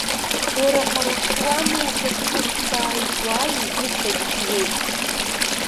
Уара ҳара ҳтәы уами, ухаҵкы сцааит, уааи угәы сагәӡуеит.